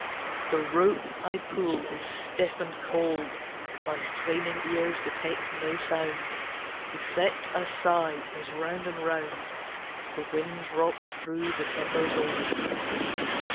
The rope I pull is stiff and cold, My straining ears detect no sound Except a sigh, as round and round The wind rocks through the timbers old.